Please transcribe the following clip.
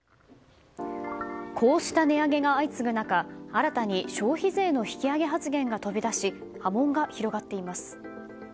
こうした値上げが相次ぐ中新たに消費税の引き上げ発言が飛び出し波紋が広がっています。